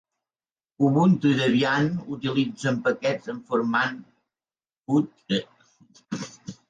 Ubuntu i Debian utilitzen paquets en format.deb